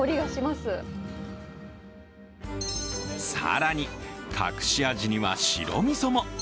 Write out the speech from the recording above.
更に、隠し味には白みそも。